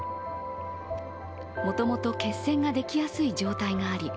もともと血栓ができやすい状態があり